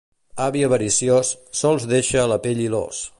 Avi avariciós sols deixa la pell i l'os.